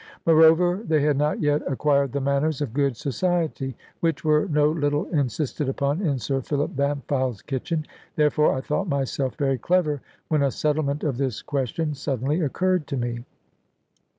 Moreover, they had not yet acquired the manners of good society, which were no little insisted upon in Sir Philip Bampfylde's kitchen. Therefore I thought myself very clever, when a settlement of this question suddenly occurred to me.